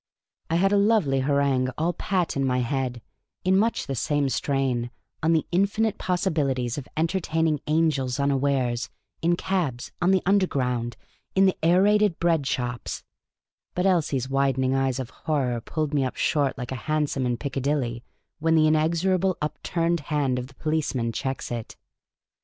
I had a lovely harangue all pat in my head, in much the same strain, on the infinite possibilities of entertaining angels unawares, in cabs, on the Underground, in the Aerated Bread shops ; but Elsie's widening eyes of horror pulled me up short, like a hansom in Piccadilly when the inexorable upturned hand of the policeman checks it.